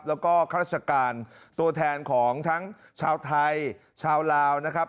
แล้วก็ข้าราชการตัวแทนของทั้งชาวไทยชาวลาวนะครับ